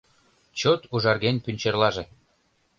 Чот ужарген пӱнчерлаже